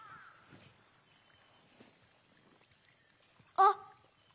あっ！